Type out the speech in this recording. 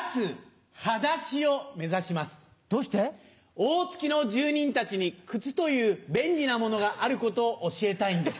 大月の住人たちに靴という便利なものがあることを教えたいんです。